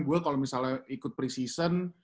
gue kalau misalnya ikut pre season